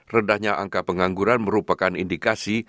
rendahnya angka pengangguran merupakan indikasi